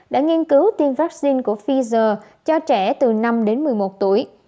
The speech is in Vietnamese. đã nghiên cứu tiêm vaccine của pfizer cho trẻ từ năm đến một mươi một tuổi